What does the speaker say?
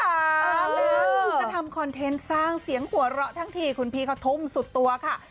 จะทำคอนเทนต์สร้างเสียงหัวเราะทั้งทีคุณพี่เขาทุ่มสุดตัวค่ะ